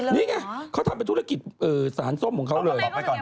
นี่ไงเขาทำเป็นธุรกิจสารส้มของเขาเลย